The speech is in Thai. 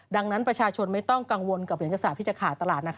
ดังนั้นประชาชนไม่ต้องกังวลกับเหรียญกษาปที่จะขาดตลาด